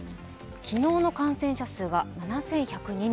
昨日の感染者数が７１０２人。